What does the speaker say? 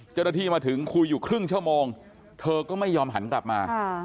เจ้าหน้าที่มาถึงคุยอยู่ครึ่งชั่วโมงเธอก็ไม่ยอมหันกลับมา